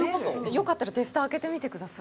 よかったらテスター開けてみてください